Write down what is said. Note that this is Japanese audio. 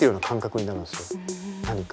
何か。